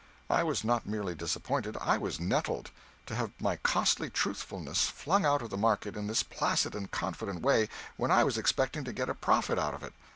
I was not merely disappointed, I was nettled, to have my costly truthfulness flung out of the market in this placid and confident way when I was expecting to get a profit out of it.